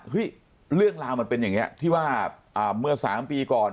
เรื่องราวมันเป็นอย่างนี้ที่ว่าเมื่อ๓ปีก่อน